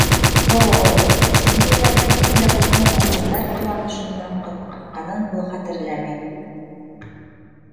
Һо-о, джунглиҙа кемдең дә булһа маймылдар ҡыланышы менән ҡыҙыҡһынғанын ул хәтерләмәй.